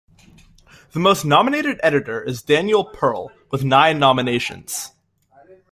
The most nominated editor is Daniel Pearl with nine nominations.